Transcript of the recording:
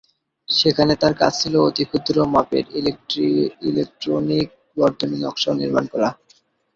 সেখানে তার কাজ ছিল অতিক্ষুদ্র মাপের ইলেকট্রনিক বর্তনী নকশা ও নির্মাণ করা।